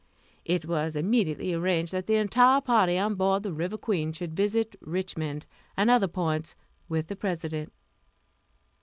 It was immediately arranged that the entire party on board the River Queen should visit Richmond, and other points, with the President.